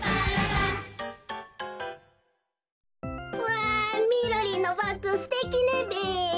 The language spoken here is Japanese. わあみろりんのバッグすてきねべ。